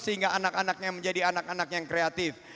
sehingga anak anaknya menjadi anak anak yang kreatif